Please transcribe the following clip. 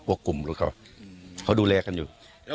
พวกกลุ่มเขาดูแลกันอยู่